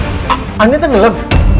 sudah tak andin tenggelam